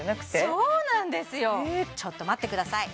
そうなんですよちょっと待ってください